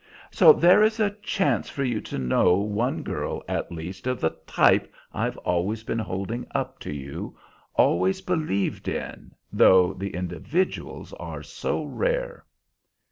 "So there is a chance for you to know one girl, at least, of the type I've always been holding up to you, always believed in, though the individuals are so rare."